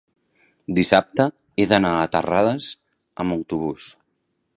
dissabte he d'anar a Terrades amb autobús.